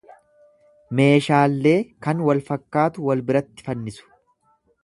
Meeshaallee kan wal fakkaatu wal biratti fannisu.